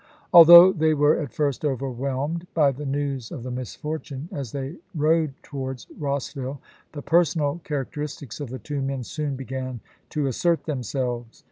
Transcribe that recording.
Although they were at first overwhelmed by the news of the misfortune as they rode towards Rossville, the personal charac teristics of the two men soon began to assert them selves.